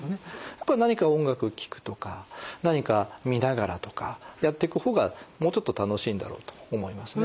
やっぱり何か音楽聴くとか何か見ながらとかやっていく方がもうちょっと楽しいんだろうと思いますね。